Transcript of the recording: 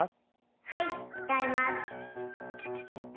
はいつかいます。